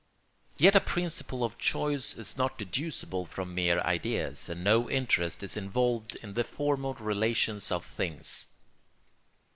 Yet a principle of choice is not deducible from mere ideas, and no interest is involved in the formal relations of things.